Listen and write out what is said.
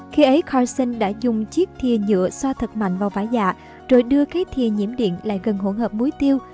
khi ấy carson đã dùng chiếc thia nhựa xoa thật mạnh vào vãi dạ rồi đưa cái thia nhiễm điện lại gần hỗn hợp muối tiêu